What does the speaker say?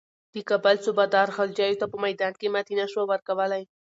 د کابل صوبه دار غلجیو ته په میدان کې ماتې نه شوه ورکولای.